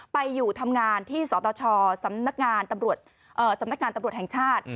ไปอยู่ทำงานที่สตชสำนักงานตำรวจแห่งชาติ